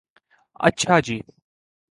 اچھا جی